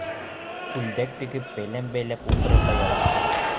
Күлдәк тегеп, бәйләм бәйләп ултырырға яратты.